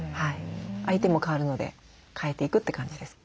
相手も変わるので変えていくって感じです。